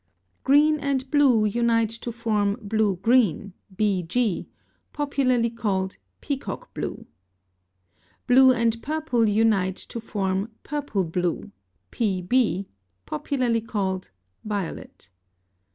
Green and blue unite to form blue green (BG), popularly called peacock blue. Blue and purple unite to form purple blue (PB), popularly called violet.